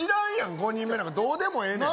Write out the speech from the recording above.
５人目なんかどうでもええねん